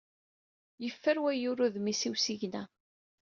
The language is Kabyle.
Yeffer wayyur udem-is s usigna.